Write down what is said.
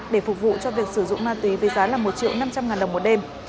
để phục vụ cho việc sử dụng ma túy với giá là một triệu năm trăm linh ngàn đồng một đêm